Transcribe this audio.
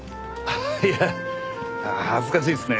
いや恥ずかしいっすね。